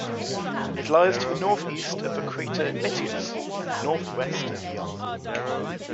It lies to the northeast of the crater Metius, and northwest of Young.